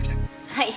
はい。